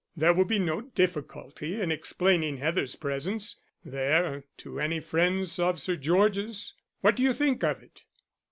There will be no difficulty in explaining Heather's presence there to any friends of Sir George's. What do you think of it?"